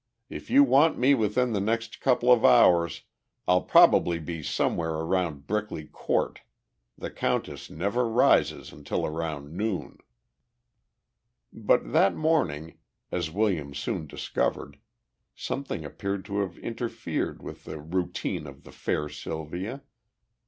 If you want me within the next couple of hours I'll probably be somewhere around Brickley Court. The countess never rises until round noon." But that morning, as Williams soon discovered, something appeared to have interfered with the routine of the fair Sylvia.